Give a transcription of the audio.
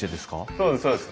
そうですそうです。